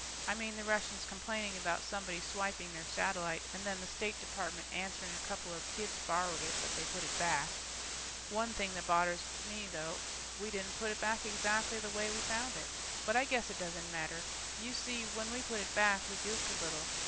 I mean, the Russians complaining about somebody swiping their satellite and then the State Department answering a couple of kids borrowed it, but they put it back. One thing that bothers me though, we didn't put it back exactly the way we found it. But I guess it doesn't matter. You see, when we put it back, we goofed a little.